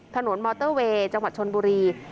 มอเตอร์เวย์จังหวัดชนบุรี